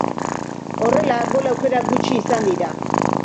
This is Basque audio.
Horrela, gol aukera gutxi izan dira.